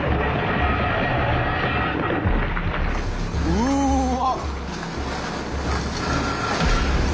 うわ！